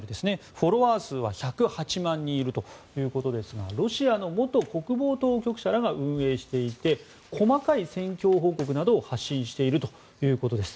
フォロワー数は１０８万人いるということですがロシアの元国防当局者らが運営していて細かい戦況報告などを発信しているということです。